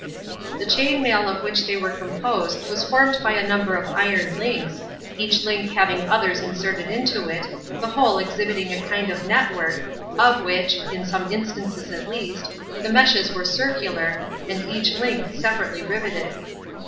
The chain mail of which they were composed was formed by a number of iron links, each link having others inserted into it, the whole exhibiting a kind of network, of which (in some instances at least) the meshes were circular, with each link separately riveted.